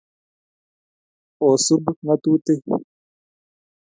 Osub ng'atutik.